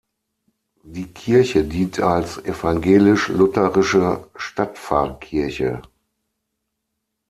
Die Kirche dient als Evangelisch-Lutherische Stadtpfarrkirche.